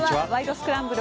スクランブル」